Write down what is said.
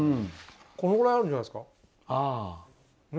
このくらいあるんじゃないですか。